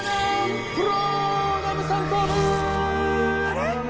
あれ？